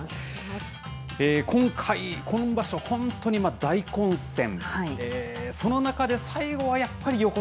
今回、今場所、本当に大混戦。